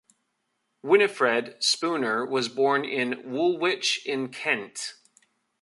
Winifred Spooner was born in Woolwich in Kent.